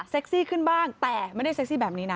ซี่ขึ้นบ้างแต่ไม่ได้เซ็กซี่แบบนี้นะ